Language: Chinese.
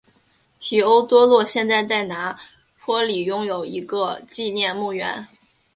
提欧多洛现在在拿坡里拥有一个纪念墓园。